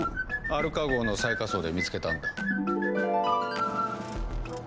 アルカ号の最下層で見つけたんだ。